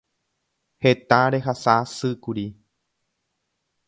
Heta rehasa'asýkuri.